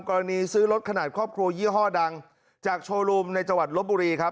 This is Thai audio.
กรณีซื้อรถขนาดครอบครัวยี่ห้อดังจากโชว์รูมในจังหวัดลบบุรีครับ